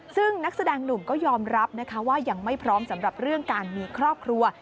ซึ่งนักแสดงหนุ่มก็ยอมรับนะคะว่ายังไม่พร้อมสำหรับเรื่องการมีครอบครัว